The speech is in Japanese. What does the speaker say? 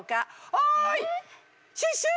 おいシュッシュ！